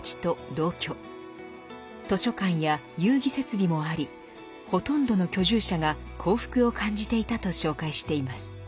図書館や遊戯設備もありほとんどの居住者が幸福を感じていたと紹介しています。